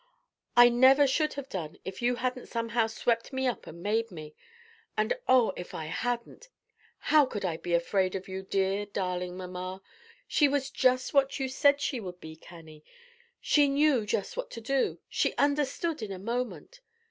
I never should have gone if you hadn't somehow swept me up and made me. And, oh, if I hadn't! How could I be afraid of you, dear, darling mamma? She was just what you said she would be, Cannie. She knew just what to do; she understood in a moment.